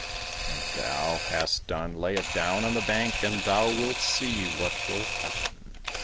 When thou hast done, lay it down on the bank, and thou wilt see what will happen."